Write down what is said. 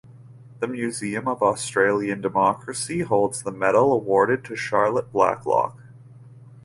The Museum of Australian Democracy holds the medal awarded to Charlotte Blacklock.